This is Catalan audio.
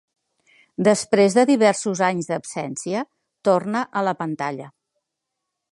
Després de diversos anys d'absència, torna a la pantalla.